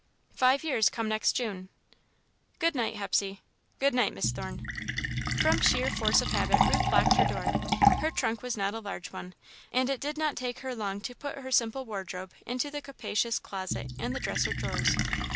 "Five years come next June." "Good night, Hepsey." "Good night, Miss Thorne." From sheer force of habit, Ruth locked her door. Her trunk was not a large one, and it did not take her long to put her simple wardrobe into the capacious closet and the dresser drawers.